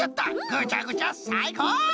ぐちゃぐちゃさいこう！